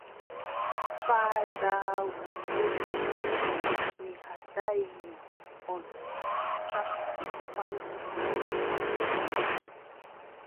Paaɗaawu toonti: mi haɗaayno on sappaagoy am na?